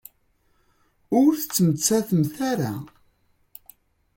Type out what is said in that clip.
Ur tettmettatemt ara.